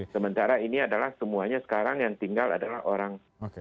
sementara ini adalah semuanya sekarang yang tinggal adalah orang